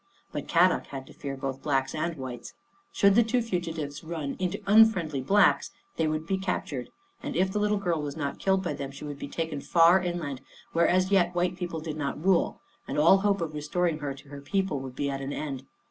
But Kadok had to fear both Blacks and Whites. Should the two fugitives run into unfriendly Blacks they would be captured, and if the little girl was not killed by them she would be taken far inland, where as yet white people did not rule, and all hope of restoring her to her people would be at an end.